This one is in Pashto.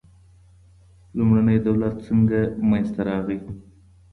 لومړنی دولت څنګه منځ ته راغی.